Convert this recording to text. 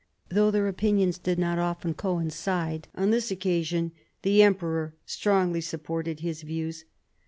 Though their opinions did not often coincide, on this occasion the emperor strongly supported his views.